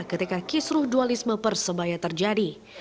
ketika kisruh dualisme persebaya terjadi